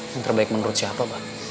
yang terbaik menurut siapa pak